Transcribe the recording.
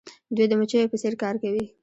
دوی د مچیو په څیر کار کوي.